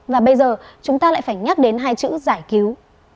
và bây giờ chúng ta lại phải nhắc đến hai chữ giải cứu